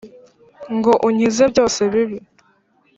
ngo unkize byose bibi.